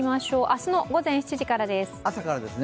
明日の午前７時からです。